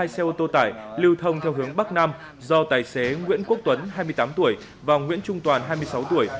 hai xe ô tô tải lưu thông theo hướng bắc nam do tài xế nguyễn quốc tuấn hai mươi tám tuổi và nguyễn trung toàn hai mươi sáu tuổi